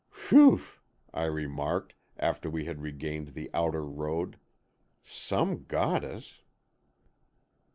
"Whew!" I remarked, after we had regained the outer road, "some goddess!"